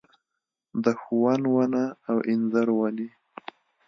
د ښونه ونه او انځر ونې